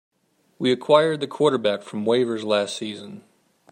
We acquired the quarterback from waivers last season.